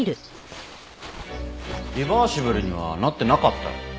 リバーシブルにはなってなかった。